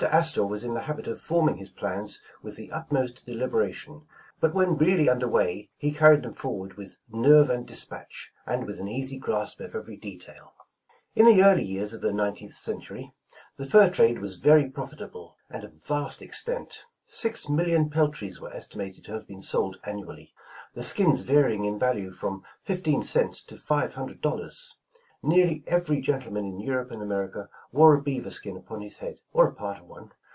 Astor was in the habit of forming his plans with the utmost delibera iton, but when reallj^ under way, he carried them for ward with nerve and dispatch, and with an easy grasp of overv detail. In the early years of the nineteenth century, the fur trade was very profitable, and of vast extent. Six mil 136 A New Century lion peltries were estimated to have been sold annually, the skins varying in value from fifteen cents to five hundred dollars. Nearly every gentleman in Europe and Aan erica wore a beaver skin upon his head, or a part of one.